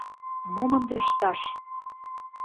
Мом ынде ышташ?